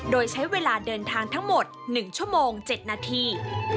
โดยใช้เวลาเดินทางทั้งหมด๑ชั่วโมง๗นาที